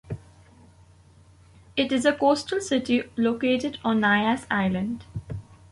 It is a coastal city located on Nias island.